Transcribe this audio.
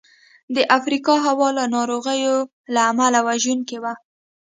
د افریقا هوا له ناروغیو له امله وژونکې وه.